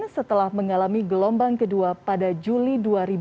setelah mengalami gelombang kedua pada juli dua ribu dua puluh